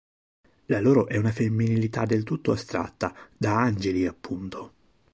La loro è una femminilità del tutto astratta: da angeli, appunto.